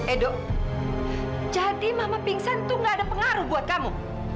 edo jadi mama pingsan tuh gak ada pengaruh buat kamu